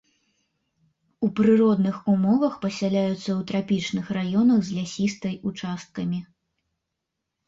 У прыродных умовах пасяляюцца ў трапічных раёнах з лясістай ўчасткамі.